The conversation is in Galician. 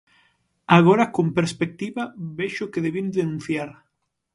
Agora con perspectiva, vexo que debín denunciar.